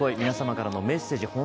皆様からのメッセージ